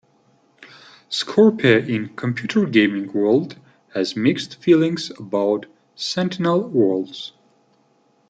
Scorpia in "Computer Gaming World" had mixed feelings about "Sentinel Worlds".